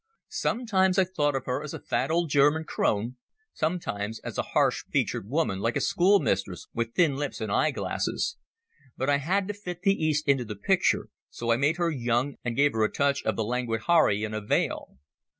Sometimes I thought of her as a fat old German crone, sometimes as a harsh featured woman like a schoolmistress with thin lips and eyeglasses. But I had to fit the East into the picture, so I made her young and gave her a touch of the languid houri in a veil.